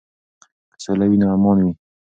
که سوله وي نو امان وي.